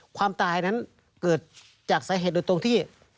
ความตายนั้นเกิดจากสาเหตุโดยตรงที่